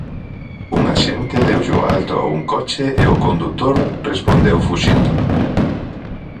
Un axente deulle o alto a un coche e o condutor respondeu fuxindo.